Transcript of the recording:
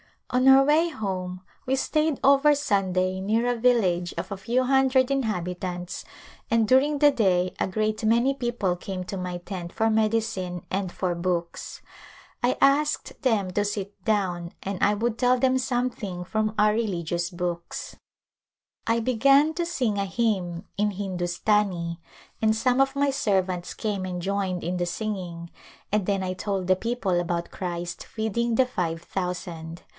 On our way home we stayed over Sunday near a village of a few hundred inhabitants and during the day a great many people came to my tent for medicine and for books. I asked them to sit down and I would A Glimpse of India tell them something from our religious books. I be gan to sing a hymn in Hindustani and some of my servants came and joined in the singing and then I told the people about Christ feeding the five thousand.